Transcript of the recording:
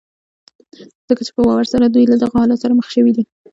ځکه چې په باور يې دوی له دغه حالت سره مخ شوي دي.